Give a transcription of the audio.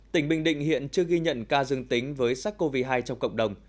tỉnh bình định hiện chưa ghi nhận ca dương tính với sars cov hai trong cộng đồng